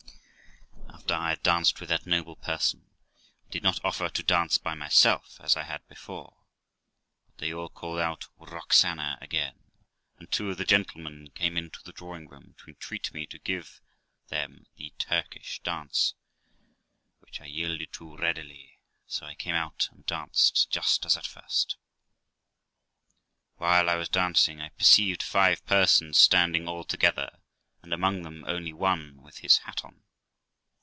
After I had danced with that noble person, I did not offer to dance by myself, as I had before; but they all called out, 'Roxana', again; and two of the gentlemen came into the drawing room to entreat me to give them the Turkish dance, which I yielded to readily, so I came out and danced just as at first. While I was dancing, I perceived five persons standing all together, and, among them, only one with his hat on.